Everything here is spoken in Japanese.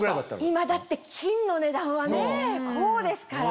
今だって金の値段はねこうですから。